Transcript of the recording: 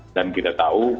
dan kita tahu